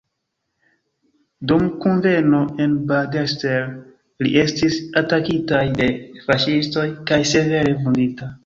Dum kunveno en Bad Elster li estis atakitaj de faŝistoj kaj severe vundita.